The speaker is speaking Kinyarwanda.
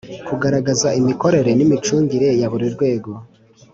Kugaragaza imikorere n’ imicungire yaburi rwego